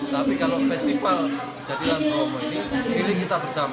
tapi kalau festival jadilan bromo ini pilih kita bersama